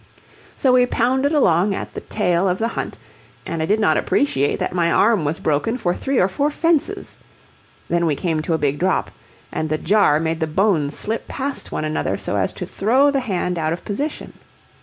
So we pounded along at the tail of the hunt, and I did not appreciate that my arm was broken for three or four fences. Then we came to a big drop, and the jar made the bones slip past one another so as to throw the hand out of position.